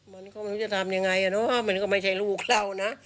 มันก็ไม่รู้จะทำยังไงอ่ะเนอะมันก็ไม่ใช่ลูกเรานะ